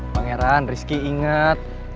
pangeran rizky ingat